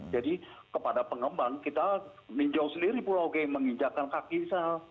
jadi kepada pengembang kita meninjau sendiri pulau okay menginjakan kaisa